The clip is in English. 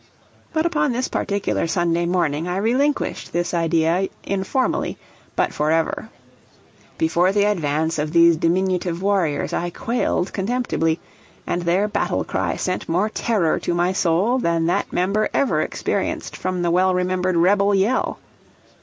But upon this particular Sunday morning I relinquished this idea informally, but forever. Before the advance of these diminutive warriors I quailed contemptibly, and their battle cry sent more terror to my soul than that member ever experienced from the well remembered rebel yell.